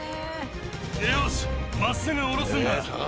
よし真っすぐ下ろすんだ。